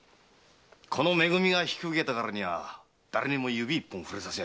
このめ組が引き受けたからには誰にも指一本触れさせやしません。